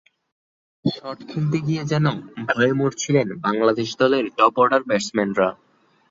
Shot খেলতে গিয়ে যেন ভয়ে মরছিলেন বাংলাদেশ দলের টপ অর্ডার ব্যাটসম্যানরা।